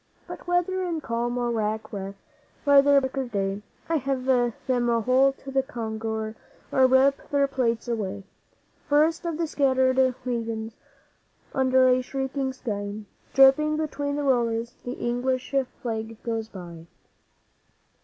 'But whether in calm or wrack wreath, whether by dark or day, I heave them whole to the conger or rip their plates away, First of the scattered legions, under a shrieking sky, Dipping between the rollers, the English Flag goes by.